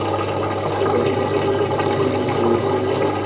এসব কাজে যাঁরা রয়েছেন, তাঁদের জীবনের নিরাপত্তার ব্যবস্থা নিয়েও ভাববার সময় এসেছে।